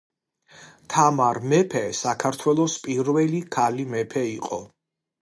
თამარ მეფე საქართველოს პირველი ქალი მეფე იყო.